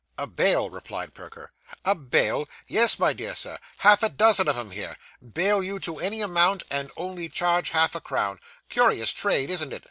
'A bail,' replied Perker. 'A bail!' Yes, my dear sir half a dozen of 'em here. Bail you to any amount, and only charge half a crown. Curious trade, isn't it?